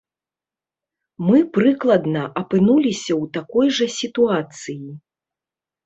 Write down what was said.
Мы, прыкладна, апынуліся ў такой жа сітуацыі.